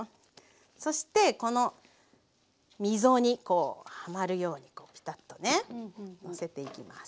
そしてこの溝にこうはまるようにピタッとねのせていきます。